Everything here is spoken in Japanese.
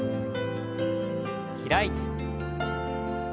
開いて。